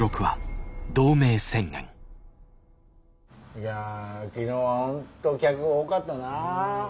いや昨日は本当客多かったな。